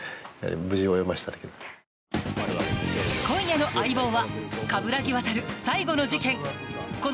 今夜の「相棒」は「冠城亘最後の事件」。